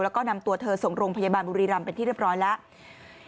แล้วก็นำตัวเธอส่งโรงพยาบาลบุรีรำเป็นที่เรียบร้อยแล้ว